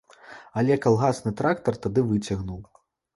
Але калгасны трактар тады выцягнуў.